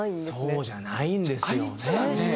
そうじゃないんですよね。